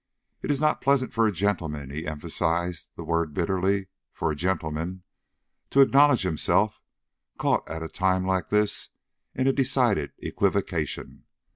"It is not pleasant for a gentleman" he emphasized the word bitterly "for a gentleman to acknowledge himself caught at a time like this in a decided equivocation.